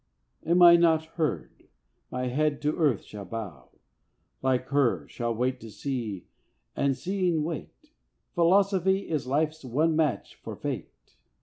Am I not heard, my head to Earth shall bow; Like her, shall wait to see, and seeing wait. Philosophy is Life's one match for Fate.